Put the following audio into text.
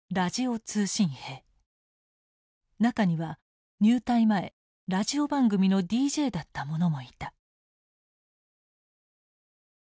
中には入隊前ラジオ番組のＤＪだった者もいた。